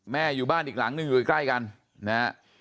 อยู่บ้านอีกหลังหนึ่งอยู่ใกล้กันนะฮะ